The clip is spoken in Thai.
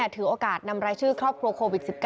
ถือโอกาสนำรายชื่อครอบครัวโควิด๑๙